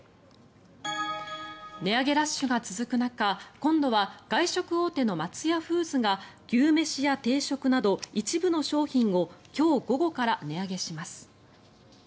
値上げラッシュが続く中今度は外食大手の松屋フーズが牛めしや定食など一部の商品を今日午後から値上げします。